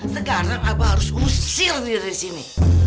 sekarang apa harus usir dari sini